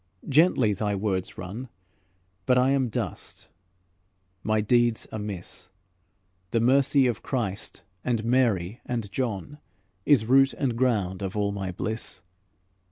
Gently thy words run, But I am dust, my deeds amiss; The mercy of Christ and Mary and John Is root and ground of all my bliss."